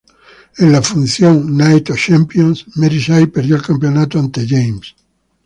En el evento "Night of Champions", Maryse perdió el campeonato ante James.